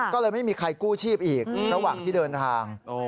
ก็เลยไม่มีใครกู้ชีพอีกระหว่างที่เดินทาง